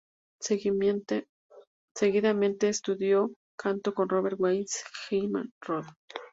Seguidamente estudió canto con Robert Weiss y Wilhelm Rode.